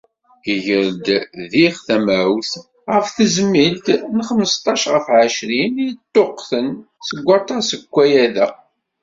Iger-d diɣ tamawt ɣef tezmilt n xmesṭac ɣef εecrin i yeṭṭuqten s waṭas deg ukayad-a.